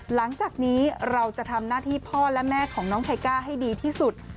หลังจากนี้เราจะทำหน้าที่พ่อและแม่ของน้องไทก้าให้ดีที่สุด